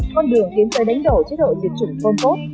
con đường tiến tới đánh đổ chế độ diệt chủng côn cốt